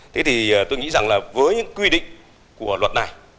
tôi nghĩ rằng với những quy định của luật này